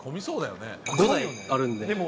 ５基あるんで。